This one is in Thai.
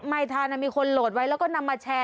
ไม่ทันมีคนโหลดไว้แล้วก็นำมาแชร์